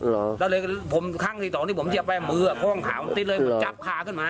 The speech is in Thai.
แล้วเลยผมข้างทีสองที่ผมเยี่ยมไปมือคล่องขาเกินติดเลยเออเหรอจับคาขึ้นมา